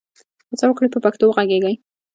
هڅه وکړئ په پښتو وږغېږئ.